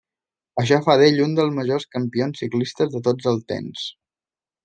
Això fa d'ell un dels majors campions ciclistes de tots els temps.